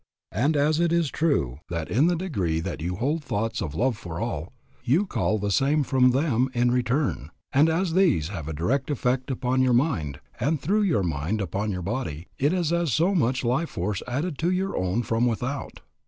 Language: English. And as it is true that in the degree that you hold thoughts of love for all, you call the same from them in return, and as these have a direct effect upon your mind, and through your mind upon your body, it is as so much life force added to your own from without.